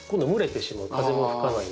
風も吹かないので。